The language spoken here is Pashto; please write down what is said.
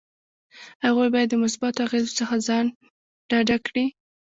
هغوی باید د مثبتو اغیزو څخه ځان ډاډه کړي.